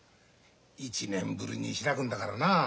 一年ぶりに開くんだからなあ。